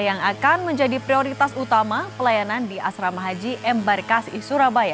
yang akan menjadi prioritas utama pelayanan di asrama haji embarkasi surabaya